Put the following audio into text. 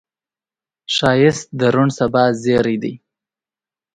ښایست د روڼ سبا زیری دی